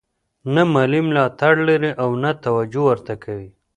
نه مالي ملاتړ لري او نه توجه ورته کوي.